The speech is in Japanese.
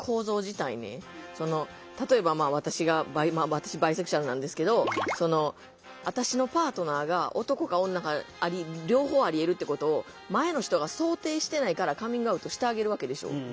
例えば私が私バイセクシュアルなんですけど私のパートナーが男か女か両方ありえるってことを前の人が想定してないからカミングアウトしてあげるわけでしょ。